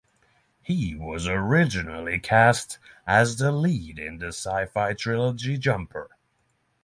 He was originally cast as the lead in the sci-fi trilogy Jumper.